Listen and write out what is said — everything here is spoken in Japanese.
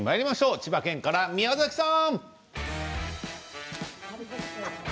千葉県から宮崎さん！